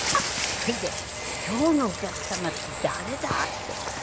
それで今日のお客様って誰だ？って。